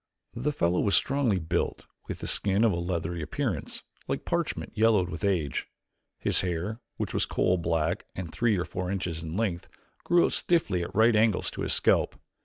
The fellow was strongly built with skin of a leathery appearance, like parchment yellowed with age. His hair, which was coal black and three or four inches in length, grew out stiffly at right angles to his scalp.